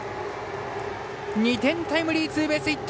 ２点タイムリーツーベースヒット。